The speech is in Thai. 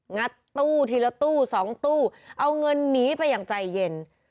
งัดตู้ทีละตู้๒ตู้เอาเงินหนีไปอย่างใจเย็น